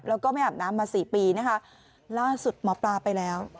แล้วก็ไม่อาบน้ำมาสี่ปีนะคะล่าสุดหมอปลาไปแล้ว